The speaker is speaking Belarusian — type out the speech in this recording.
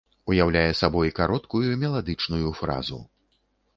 Уяўляе сабой кароткую меладычную фразу.